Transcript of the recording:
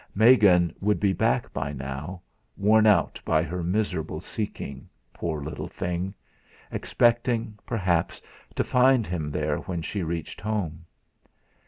Megan would be back by now, worn out by her miserable seeking poor little thing! expecting, perhaps, to find him there when she reached home.